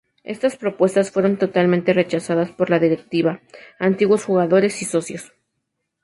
Estas propuestas fueron totalmente rechazadas por la directiva, antiguos jugadores y socios.